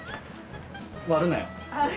割るなよ。